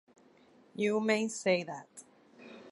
You may say that.